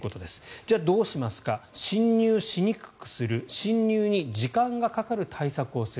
じゃあどうしますか侵入しにくくする侵入に時間がかかる対策をする